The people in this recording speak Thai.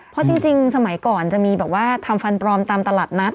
เพราะจริงสมัยก่อนจะมีแบบว่าทำฟันปลอมตามตลาดนัด